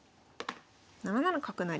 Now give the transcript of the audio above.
７七角成。